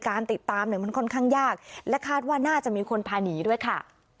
การติดตามเนี่ยมันค่อนข้างยากและคาดว่าน่าจะมีคนพาหนีด้วยค่ะ